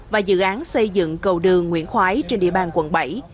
và dự án xây dựng cầu đường nguyễn khoái trên địa bàn quận bảy